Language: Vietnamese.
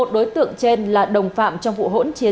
một mươi một đối tượng trên là đồng phạm trong vụ hỗn chiến